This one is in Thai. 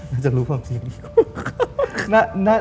น่าจะรู้ความจริง